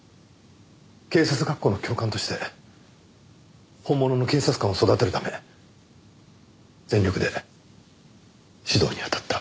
警察学校の教官として本物の警察官を育てるため全力で指導にあたった。